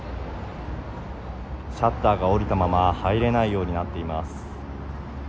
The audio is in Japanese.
シャッターが下りたまま入れないようになっています。